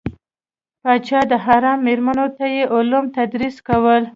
پاچا د حرم میرمنو ته یې علوم تدریس کول.